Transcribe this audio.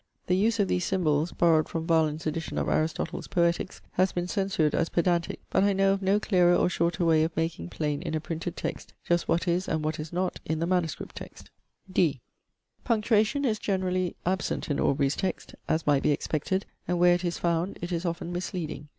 The use of these symbols, borrowed from Vahlen's edition of Aristotle's Poetics, has been censured as pedantic, but I know of no clearer or shorter way of making plain in a printed text just what is, and what is not, in the MS. text. (d) Punctuation is generally absent in Aubrey's text, as might be expected, and where it is found, it is often misleading.